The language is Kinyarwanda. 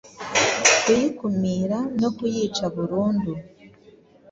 kuyikumira no kuyica burundu.